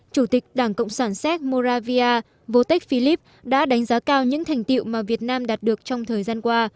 chủ tịch đảng cộng sản séc moravia votech philip đã đánh giá cao những thành tiệu mà việt nam đạt được trong thời gian qua